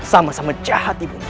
sama sama jahat ibu